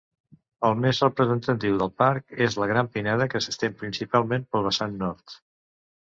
El més representatiu del parc és la gran pineda que s'estén principalment pel vessant nord.